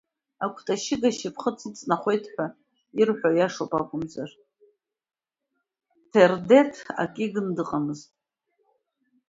Акәты ашьыга ашьапхыц иҵнахуеит ҳәа ирҳәо иашоуп акәымзар, Ҭердеҭ ак игны дыҟазма.